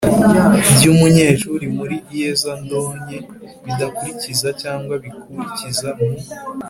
by umunyeshuri muri iyezandonke bidakurikiza cyangwa bikurikiza mu